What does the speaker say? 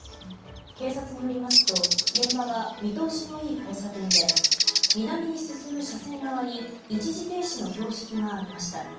警察によりますと現場は見通しのいい交差点で南に進む車線側に一時停止の標識がありました。